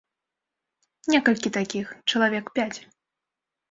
Некалькі такіх, чалавек пяць.